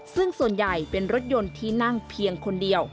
ซึ่งส่วนใหญ่เป็นรถยนต์ที่นั่งเพียงคนเดียว